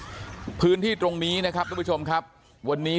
พื้นที่ตรงนี้นะครับทุกผู้ชมครับวันนี้